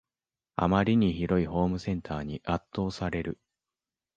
あまりに広いホームセンターに圧倒される